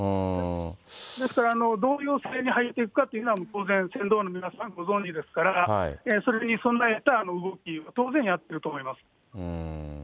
ですからどういう姿勢で入っていくかというのは、当然、船頭の皆さん、ご存じですから、それに備えた動き、当然やってると思います。